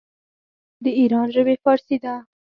د ایران ژبې فارسي ده.